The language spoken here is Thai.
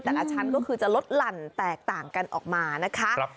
แต่ละชั้นก็คือจะลดหลั่นแตกต่างกันออกมานะคะ